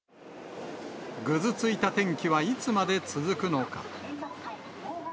ぐずついた天気は、いつまで続くのか。